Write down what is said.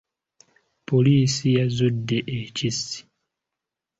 Poliisi yazudde ekkisi.